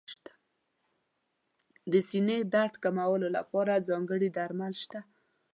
د سینې درد کمولو لپاره ځانګړي درمل شته.